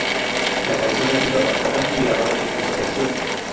La canción ha sido adaptada y grabada en muchas versiones.